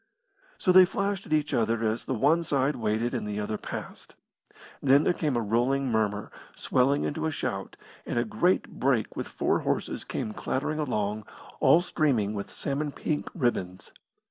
So they flashed at each other as the one side waited and the other passed. Then there came a rolling murmur swelling into a shout, and a great brake with four horses came clattering along, all streaming with salmon pink ribbons.